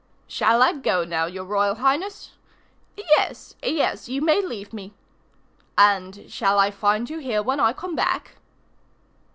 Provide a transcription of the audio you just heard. "Shall I go now, your Royal Highness?" "Yes, yes, you may leave me." "And shall I find you here when I come back?"